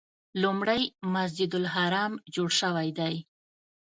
لومړی مسجد الحرام جوړ شوی دی.